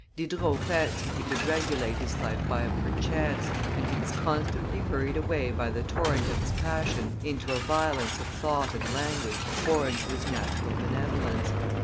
Diderot fancied he could regulate his life by a perchance, and he was constantly hurried away by the torrent of his passion into a violence of thought and language foreign to his natural benevolence.